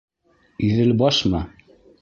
Иҙелбашмы?